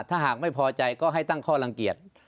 ถ้าหากไม่พอใจก็ให้ตั้งข้อลังเกียจ